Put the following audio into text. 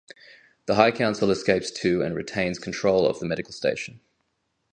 The High Council escapes to and retains control of the medical station.